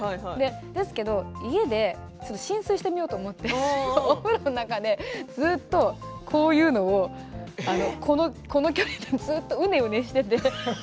ですけど家で浸水してみようと思ってお風呂の中でずっとこういうのをこの距離でうねうねしていて。